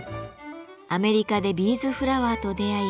アメリカでビーズフラワーと出会い